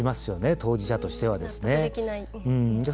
当事者としてはね。